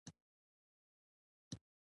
غږ د ژوند نبض دی